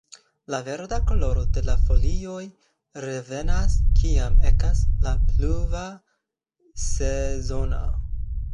La verda koloro de la folioj revenas kiam ekas la pluva sezono.